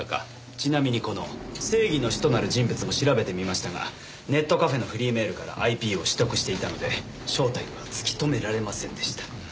ちなみにこの「正義の使徒」なる人物も調べてみましたがネットカフェのフリーメールからＩＰを取得していたので正体は突き止められませんでした。